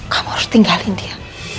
kamu harus tinggalin dia